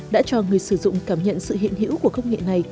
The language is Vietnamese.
đã cho người sử dụng cảm nhận sự hiện hữu của công nghệ này